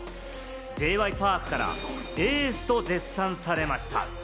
Ｊ．Ｙ．Ｐａｒｋからエースと絶賛されました。